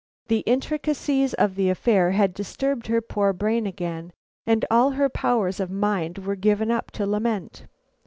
The intricacies of the affair had disturbed her poor brain again, and all her powers of mind were given up to lament.